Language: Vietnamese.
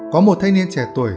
có một thanh niên trẻ tuổi